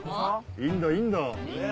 インドインド。